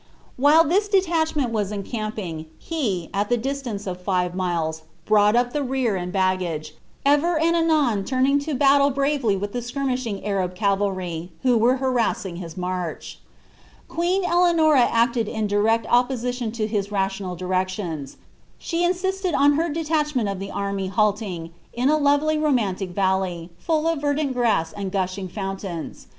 While this detachment was encamping, he, at the distance t^fiTv miles, brought up the rear and baggage, ever and anon turning lo taule bnively with the akiimishing Arab cavalry who were Itamasing biainarch QuMB Eloanors acted in direct opposition lo his rational direction^ Sb* inaistMl on her detachment of the army lialting, in a lovely romantic niUjr, fiilJ of verdant grass and gushing fountains.